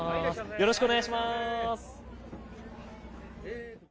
よろしくお願いします。